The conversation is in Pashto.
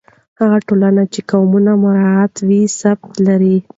هغه ټولنه چې قانون مراعتوي، ثبات لري.